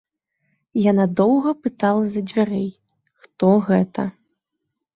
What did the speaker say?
Яна доўга пытала з-за дзвярэй, хто гэта.